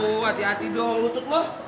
wuh hati hati dong lutut lo